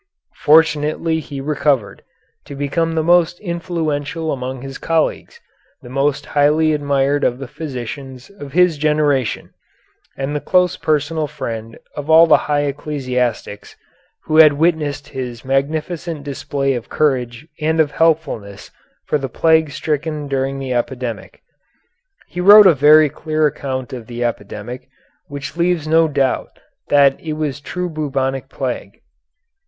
Fortunately he recovered, to become the most influential among his colleagues, the most highly admired of the physicians of his generation, and the close personal friend of all the high ecclesiastics, who had witnessed his magnificent display of courage and of helpfulness for the plague stricken during the epidemic. He wrote a very clear account of the epidemic, which leaves no doubt that it was true bubonic plague.